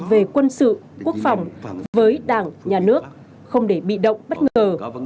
về quân sự quốc phòng với đảng nhà nước không để bị động bất ngờ